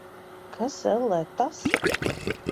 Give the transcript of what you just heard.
Kas, ellē, tas?